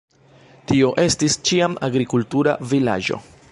Tio estis ĉiam agrikultura vilaĝo.